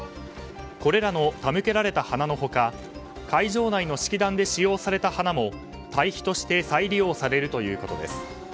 これらの手向けられた花の他会場内の式壇で使用された花も堆肥として再利用されるということです。